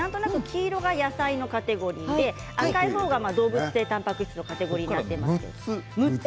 それ以外の６つの種類黄色野菜のカテゴリーで赤い方は動物性たんぱく質のカテゴリーになっています。